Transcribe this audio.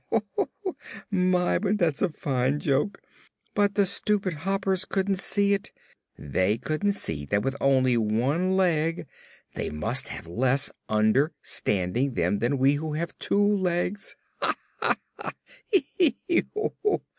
Hee, hee, hee! Ho, ho! My, but that's a fine joke. And the stupid Hoppers couldn't see it! They couldn't see that with only one leg they must have less under standing than we who have two legs. Ha, ha, ha! Hee, hee!